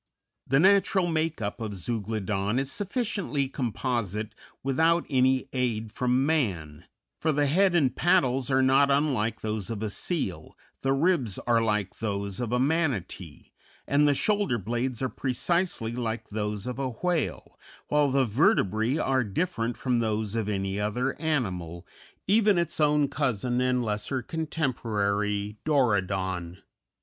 The natural make up of Zeuglodon is sufficiently composite without any aid from man, for the head and paddles are not unlike those of a seal, the ribs are like those of a manatee, and the shoulder blades are precisely like those of a whale, while the vertebræ are different from those of any other animal, even its own cousin and lesser contemporary Dorudon.